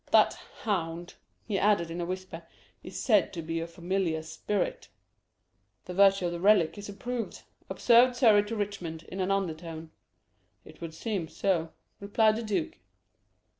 That hound," he added, in a whisper, "is said to be a familiar spirit." "The virtue of the relic is approved," observed Surrey to Richmond, in an undertone. "It would seem so," replied the duke.